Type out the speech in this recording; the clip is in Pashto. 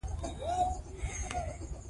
ګرچې زموږ برق هم نه وو🤗